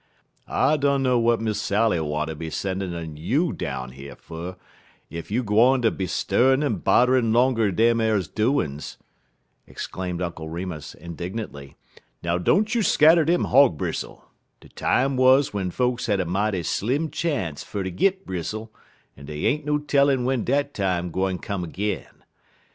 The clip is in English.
"I dunner w'at Miss Sally wanter be sendin' un you down yer fer, ef you gwine ter be stirr'n' en bodderin' 'longer dem ar doin's," exclaimed Uncle Remus, indignantly. "Now don't you scatter dem hog bristle! De time wuz w'en folks had a mighty slim chance fer ter git bristle, en dey ain't no tellin' w'en dat time gwine come ag'in.